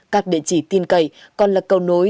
các địa chỉ tin cậy còn là cầu nối